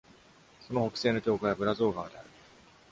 その北西の境界はブラゾー川である。